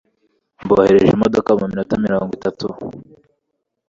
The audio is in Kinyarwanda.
Mboherereje imodoka muminota mirongo itatu.